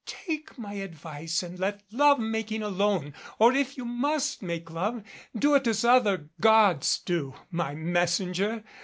"Take my advice and let love making alone, or if you must make love, do it as other gods do by messenger.